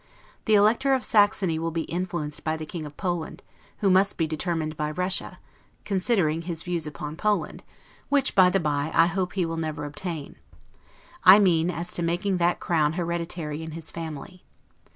The Elector of Saxony will be influenced by the King of Poland, who must be determined by Russia, considering his views upon Poland, which, by the by, I hope he will never obtain; I mean, as to making that crown hereditary in his family.